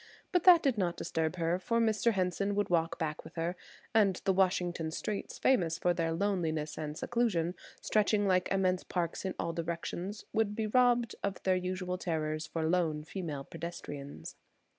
But that did not disturb her for Mr. Henson would walk back with her, and the Washington streets, famous for their loneliness and seclusion, stretching like immense parks in all directions, would be robbed of their usual terrors for lone female pedestrians.